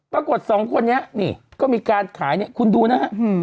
ปรากฏ๒คนนี้ก็มีการขายคุณดูนะครับ